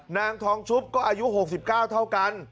นางทองชุบก็อายุ๖๙เท่ากัน